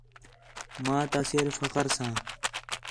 ماں تا سِر فخر ساں